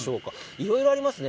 いろいろありますね。